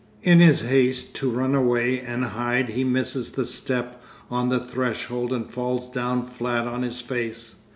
In his haste to run away and hide he misses the step on the threshold and falls down flat on his face.